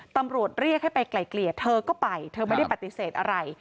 ตำรวจเรียกให้ไปไกลเกลี่ยเธอก็ไปเธอไม่ได้ปฏิเสธอะไร